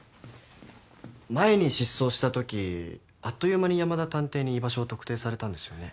前に失踪したときあっという間に山田探偵に居場所を特定されたんですよね？